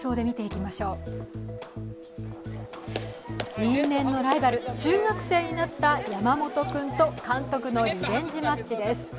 因縁のライバル、中学生になった山本君と監督のリベンジマッチです。